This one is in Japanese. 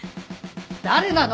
誰なの？